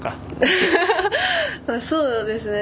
そうですね。